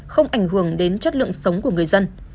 không ảnh hưởng đến chất lượng sống của người dân